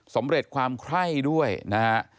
สำเร็จความไคร้ด้วยนะฮะ